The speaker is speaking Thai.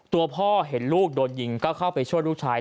ตัวพ่อเห็นลูกโดนยิงก็เข้าไปช่วยลูกชาย